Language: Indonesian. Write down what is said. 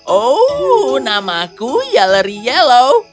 oh nama aku yaleri yellow